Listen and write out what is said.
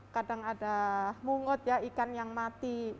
kadang ada mungut ya ikan yang mati